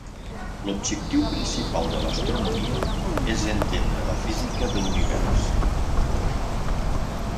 L'objectiu principal de l'astronomia és entendre la física de l'univers.